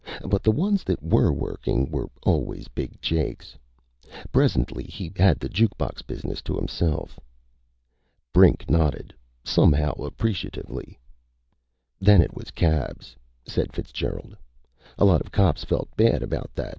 But the ones that were workin' were always Big Jake's. Presently he had the juke box business to himself." Brink nodded, somehow appreciatively. "Then it was cabs," said Fitzgerald. "A lot of cops felt bad about that.